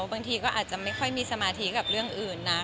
บางทีก็อาจจะไม่ค่อยมีสมาธิกับเรื่องอื่นนะ